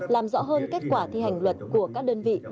làm rõ hơn kết quả thi hành luật của các đơn vị